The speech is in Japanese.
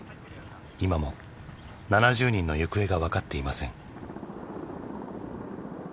今も７０人の行方がわかっていません。